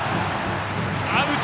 アウト！